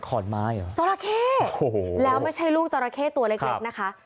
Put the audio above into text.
ขอนไม้หรอจอราเคโอ้โหแล้วไม่ใช่ลูกจอราเคตัวเล็กนะคะ